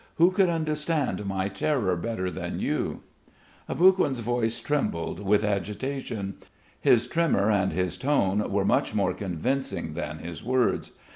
Who could understand my terror better than you?" Aboguin's voice trembled with agitation. His tremor and his tone were much more convincing than his words.